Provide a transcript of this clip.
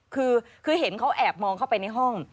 คือเห็นเขาแอบมองเข้าไปในห้อง